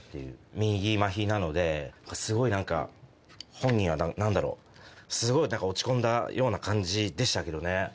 右まひなので、すごいなんか、本人はなんだろう、すごいなんか落ち込んだような感じでしたけどね。